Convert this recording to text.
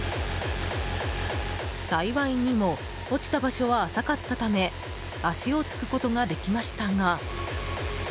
幸いにも落ちた場所は浅かったため足をつくことができましたが。